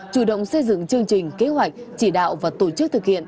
chủ động xây dựng chương trình kế hoạch chỉ đạo và tổ chức thực hiện